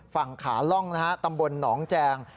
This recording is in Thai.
ฝั่งขาล่องนะฮะตำบลหนองแจง